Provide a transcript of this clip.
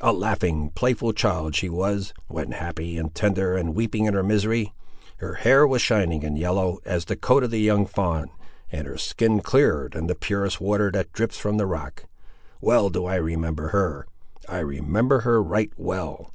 A laughing, playful child she was, when happy; and tender and weeping in her misery! Her hair was shining and yellow, as the coat of the young fawn, and her skin clearer than the purest water that drips from the rock. Well do I remember her! I remember her right well!"